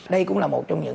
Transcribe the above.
đây cũng là một trong những